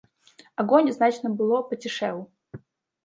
Агонь, значна было, пацішэў.